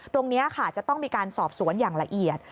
ตรงนี้ค่ะจะต้องมีการสอบสวนอย่างละเอียด